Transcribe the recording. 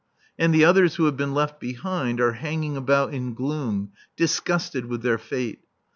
And the others who have been left behind are hanging about in gloom, disgusted with their fate.